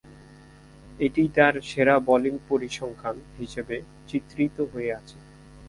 এটিই তার সেরা বোলিং পরিসংখ্যান হিসেবে চিত্রিত হয়ে আছে।